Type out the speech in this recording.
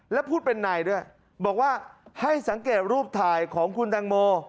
และพูดเป็นในด้วยบอกว่าให้สังเกตรูปถ่ายของคุณตังโม